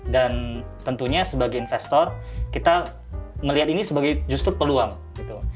dan tentunya sebagai investor kita melihat ini sebagai justru peluang gitu